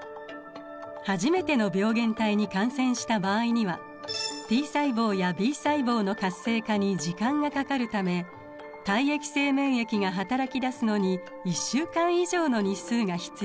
初めての病原体に感染した場合にはＴ細胞やＢ細胞の活性化に時間がかかるため体液性免疫がはたらきだすのに１週間以上の日数が必要です。